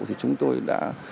thì chúng tôi đã